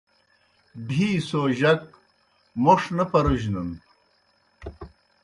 ڈِھیسو جک موْݜ نہ پرُجنَن